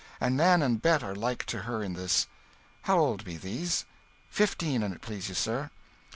And Nan and Bet are like to her in this." "How old be these?" "Fifteen, an' it please you, sir."